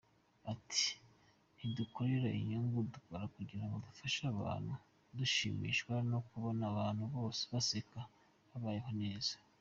Ati :”Ntidukorera inyungu, dukora kugirango dufashe abantu, dushimishwa no kubona abantu baseka, babayeho neza”.